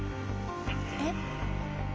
えっ？